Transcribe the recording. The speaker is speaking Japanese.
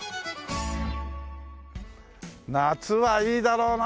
夏はいいだろうな